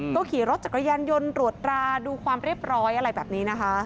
ก็ขี่รถจักรยานยนต์ตรวจราดูความเรียบร้อยอะไรแบบนี้นะคะ